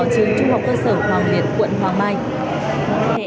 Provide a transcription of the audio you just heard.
trường trung học cơ sở hoàng liệt quận hoàng mai